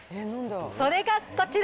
それがこちら。